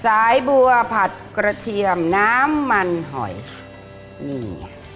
สายบัวผัดกระเทียมน้ำมันหอยนี่ไง